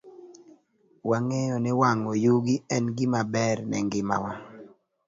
Wang'eyo ni wang'o yugi en gima ber ne ngimawa.